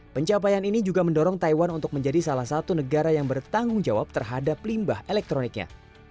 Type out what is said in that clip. pencapaian ini juga mendorong taiwan untuk menjadi salah satu negara yang bertanggung jawab terhadap limbah elektroniknya